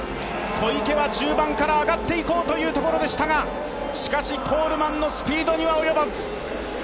小池は中盤から上がっていこうというところでしたがしかしコールマンのスピードには及ばず。